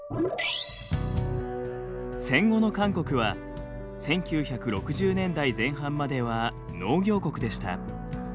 戦後の韓国は１９６０年代前半までは農業国でした。